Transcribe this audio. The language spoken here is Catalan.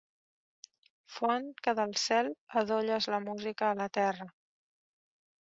Font que del cel adolles la música a la terra.